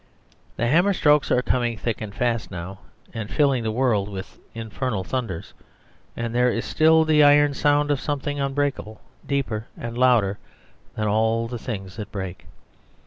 The hammer strokes are coming thick and fast now ;* and filling the world with infernal thunders; and there is still the iron sound of something unbreakable deeper and louder than all the things that break.